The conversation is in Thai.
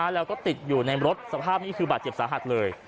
แล้วก็ติดอยู่ในรถสภาพนี้คือบาดเจ็บสาหัสเลย